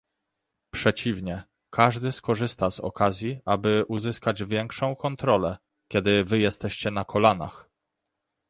Przeciwnie, każdy skorzysta z okazji, aby uzyskać większą kontrolę, kiedy wy jesteście na kolanach